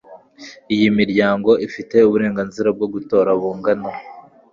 Iyi miryango ifitemo uburenganzira bwo gutora bungana